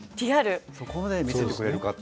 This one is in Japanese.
そこまで見せてくれるかってぐらい。